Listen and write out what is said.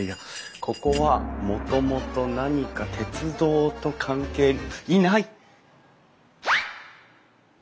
ここはもともと何か鉄道と関係がいない！